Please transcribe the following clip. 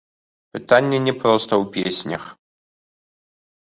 Пытанне не проста ў песнях.